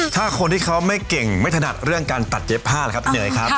ถ้าคนที่เขาไม่เก่งไม่ถนัดเรื่องการตัดเย็บผ้าล่ะครับพี่เนยครับ